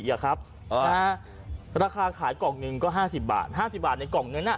ราคาขายกล่องหนึ่งก็๕๐บาท๕๐บาทในกล่องนั้น